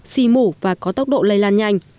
xì mủ và có tốc độ lây lan nhanh